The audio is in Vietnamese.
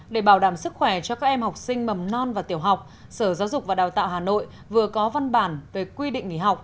để bảo đảm sức khỏe cho các em học sinh mầm non và tiểu học sở giáo dục và đào tạo hà nội vừa có văn bản về quy định nghỉ học